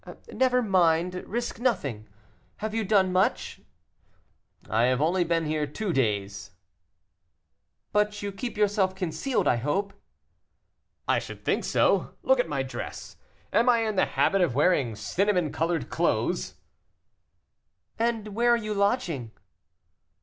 "Never mind, risk nothing. Have you done much?" "I have only been here two days." "But you keep yourself concealed, I hope." "I should think so. Look at my dress; am I in the habit of wearing cinnamon colored clothes?" "And where are you lodging?"